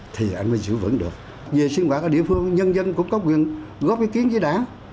thì anh mới giữ vững được về sinh hoạt ở địa phương nhân dân cũng có quyền góp ý kiến với đảng